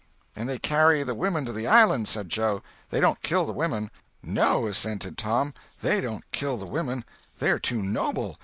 "And they carry the women to the island," said Joe; "they don't kill the women." "No," assented Tom, "they don't kill the women—they're too noble.